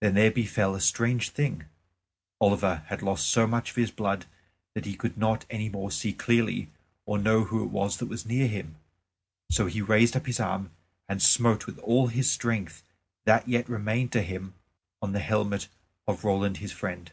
Then there befell a strange thing. Oliver had lost so much of his blood that he could not any more see clearly or know who it was that was near him. So he raised up his arm and smote with all his strength that yet remained to him on the helmet of Roland his friend.